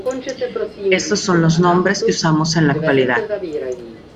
Estos son los nombres que usamos en la actualidad.